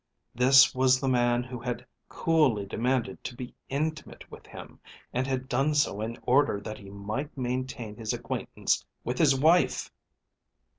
This was the man who had coolly demanded to be intimate with him, and had done so in order that he might maintain his acquaintance with his wife!